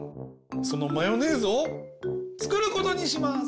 そのマヨネーズをつくることにします！